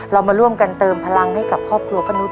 เรามาร่วมกันเติมพลังให้กับครอบครัวป้านุษ